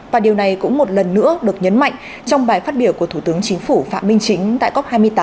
và điều này cũng một lần nữa được nhấn mạnh trong bài phát biểu của thủ tướng chính phủ phạm minh chính